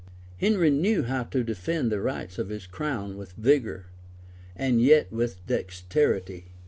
Henry knew how to defend the rights of his crown with vigor, and yet with dexterity.